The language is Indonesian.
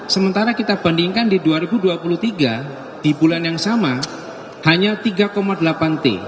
sementara kita bandingkan di dua ribu dua puluh tiga di bulan yang sama hanya tiga delapan t